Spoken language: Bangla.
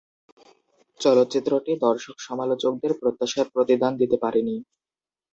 চলচ্চিত্রটি দর্শক সমালোচকদের প্রত্যাশার প্রতিদান দিতে পারে নি।